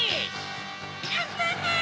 アンパンマン！